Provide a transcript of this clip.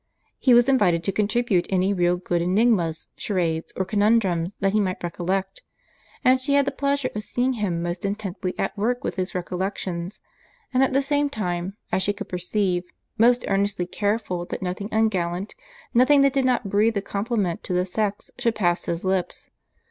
He was invited to contribute any really good enigmas, charades, or conundrums that he might recollect; and she had the pleasure of seeing him most intently at work with his recollections; and at the same time, as she could perceive, most earnestly careful that nothing ungallant, nothing that did not breathe a compliment to the sex should pass his lips.